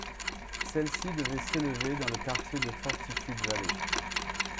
Celle-ci devait s'élever dans le quartier de Fortitude Valley.